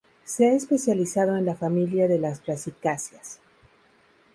Se ha especializado en la familia de las brasicáceas.